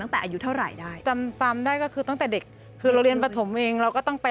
เพราะฉะนั้นอยู่จังหวัดอะไรครับพี่